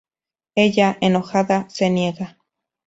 Ella, enojada, se niega.